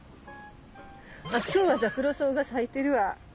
今日はザクロソウが咲いてるわ。